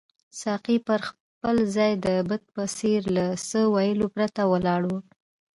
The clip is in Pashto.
ساقي پر خپل ځای د بت په څېر له څه ویلو پرته ولاړ وو.